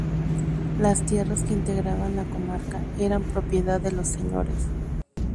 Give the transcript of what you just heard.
Las tierras que integraban la comarca, eran propiedad de los Sres.